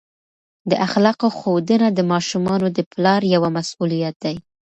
د اخلاقو ښودنه د ماشومانو د پلار یوه مسؤلیت دی.